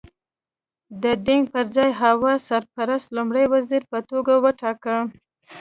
د دینګ پر ځای هوا سرپرست لومړی وزیر په توګه وټاکه.